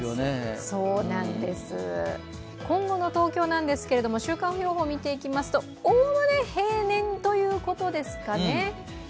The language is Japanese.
今後の東京なんですが、週間予報を見ていきますとおおむね平年ということですかね？